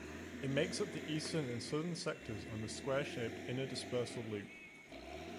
It makes up the eastern and southern sections on the square-shaped Inner Dispersal Loop.